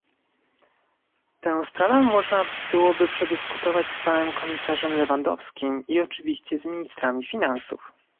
Tę sprawę można byłoby przedyskutować z panem komisarzem Lewandowskim i oczywiście z ministrami finansów